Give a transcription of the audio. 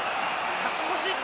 勝ち越し。